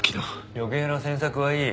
余計な詮索はいい。